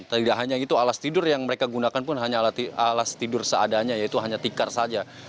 tidak hanya itu alas tidur yang mereka gunakan pun hanya alas tidur seadanya yaitu hanya tikar saja